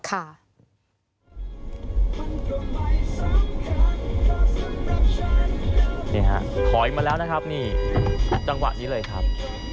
นี่ฮะถอยมาแล้วนะครับนี่จังหวะนี้เลยครับ